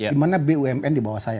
dimana bumn di bawah saya